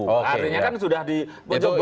akhirnya kan sudah dipercoba